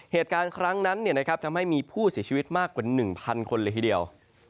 เหตุการณ์ครั้งนั้นทำให้มีผู้เสียชีวิตมากกว่า๑๐๐คนเลยทีเดียว